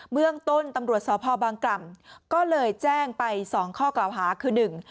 เมืองต้นตำรวจสพบางกล่ำก็เลยแจ้งไปสองข้อกล่าวหาคือหนึ่ง